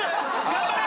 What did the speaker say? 頑張れ！